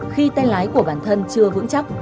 khi tay lái của bản thân chưa vững chắc